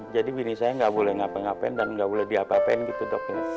jadi bini saya nggak boleh ngapa ngapain dan nggak boleh diapa apain gitu dok ini